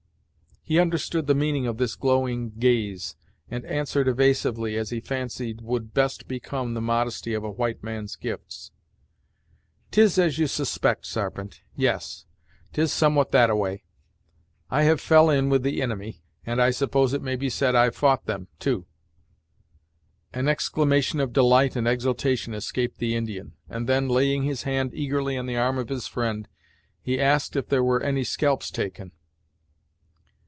He understood the meaning of this glowing gaze, and answered evasively, as he fancied would best become the modesty of a white man's gifts. "'Tis as you suspect, Sarpent; yes, 'tis somewhat that a way. I have fell in with the inimy, and I suppose it may be said I've fou't them, too." An exclamation of delight and exultation escaped the Indian, and then laying his hand eagerly on the arm of his friend, he asked if there were any scalps taken.